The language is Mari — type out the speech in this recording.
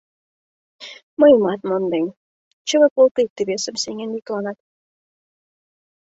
Мыйымат монден... — чыве полко икте-весым сеҥен йӱкланат.